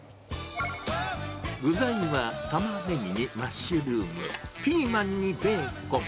具材はたまねぎにマッシュルーム、ピーマンにベーコン。